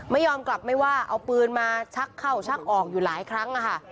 ไม่ยอมกลับไม่ว่าเอาปืนมาชักเข้าชักออกอยู่หลายครั้ง